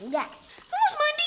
sampai makin manis